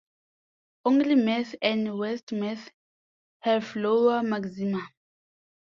Only Meath and Westmeath have lower maxima.